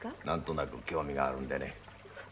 何となく興味があるんでね。